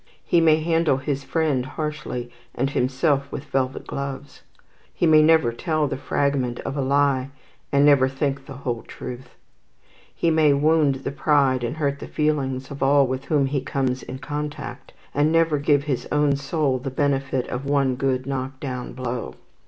He may handle his friend harshly, and himself with velvet gloves. He may never tell the fragment of a lie, and never think the whole truth. He may wound the pride and hurt the feelings of all with whom he comes in contact, and never give his own soul the benefit of one good knockdown blow.